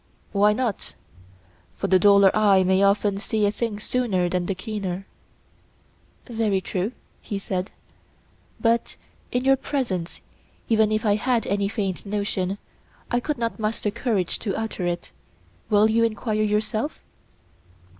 Why not? for the duller eye may often see a thing sooner than the keener. Very true, he said; but in your presence, even if I had any faint notion, I could not muster courage to utter it. Will you enquire yourself?